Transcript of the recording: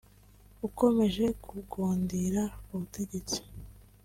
ukomeje kugundira ubutegetsi